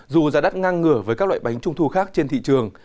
dù giá đắt ngang ngửa với các loại bánh trung thu khác trên thị trường